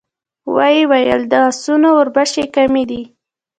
ويې ويل: د آسونو وربشې کمې دي.